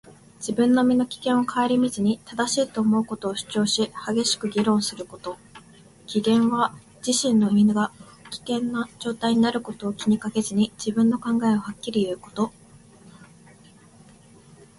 自分の身の危険を顧みずに、正しいと思うことを主張し、激しく議論すること。「危言」は自身の身が危険な状況になることを気にかけずに、自分の考えをはっきりと言うこと。「覈論」は激しく論じること。